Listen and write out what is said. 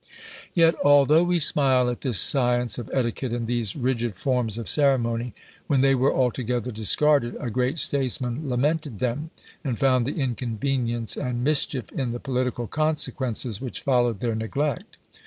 Yet although we smile at this science of etiquette and these rigid forms of ceremony, when they were altogether discarded a great statesman lamented them, and found the inconvenience and mischief in the political consequences which followed their neglect.